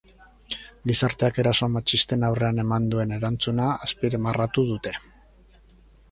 Gizarteak eraso matxisten aurrean eman duen erantzuna azpimarratu dute.